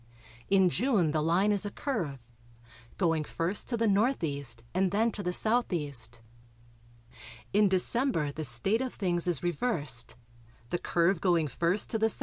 In June the line is a curve, going first to the N.E. and then to the S.E. In December the state of things is reversed, the curve going first to the S.E.